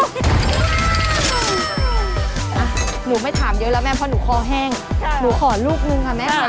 หนูไม่ถามเยอะแล้วแม่เพราะหนูคอแห้งหนูขอลูกนึงค่ะแม่ค่ะ